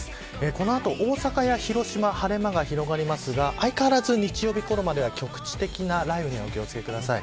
この後、大阪や広島晴れ間が広がりますが相変わらず日曜日ごろまでは局地的な雷雨にお気を付けください。